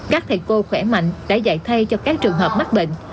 các thầy cô khỏe mạnh đã dạy thay cho các trường hợp mắc bệnh